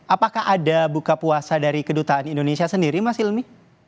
apakah ada buka puasa dari kedutaan indonesia sendiri mas hilmi